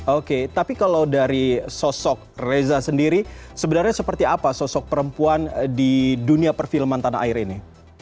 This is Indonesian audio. oke tapi kalau dari sosok reza sendiri sebenarnya seperti apa sosok perempuan di dunia perfilman tanah air ini